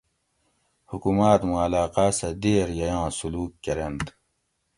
حکوماۤت موں علاقاۤ سہ دئیر ییاں سلوک کۤرینت